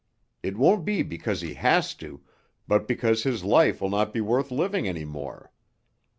It won't be because he has to, but because his life will not be worth living any more.